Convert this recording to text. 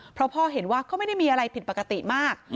เพราะพ่อเห็นว่าก็ไม่ได้มีอะไรผิดปกติมาก